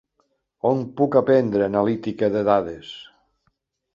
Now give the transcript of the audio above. On puc aprendre analítica de dades?